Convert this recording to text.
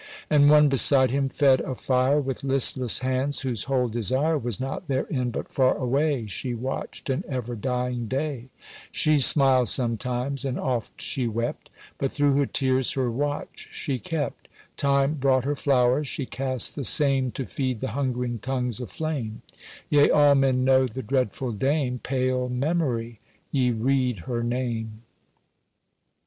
And one beside him fed a fire With listless hands, whose whole desire Was not therein, but far away She watched an ever dying day: She smiled sometimes, and oft she wept, But through her tears her watch she kept: Time brought her flowers; she cast the same To feed the hungering tongues of flame— Yea, all men know the dreamful dame, Pale Memory, ye rede her name.